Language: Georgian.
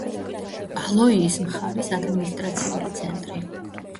ალოიის მხარის ადმინისტრაციული ცენტრი.